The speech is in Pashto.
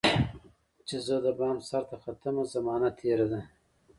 چي زه دبام سرته ختمه، زمانه تیره ده